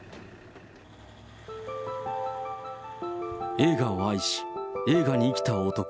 映画を愛し、映画に生きた男。